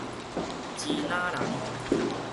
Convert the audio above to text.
支那人